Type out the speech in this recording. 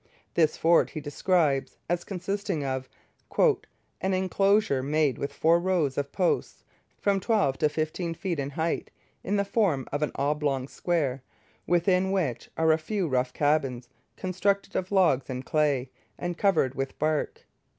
This fort he describes as consisting of 'an enclosure made with four rows of posts, from twelve to fifteen feet in height, in the form of an oblong square, within which are a few rough cabins constructed of logs and clay, and covered with bark.'